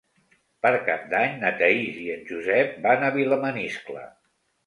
Per Cap d'Any na Thaís i en Josep van a Vilamaniscle.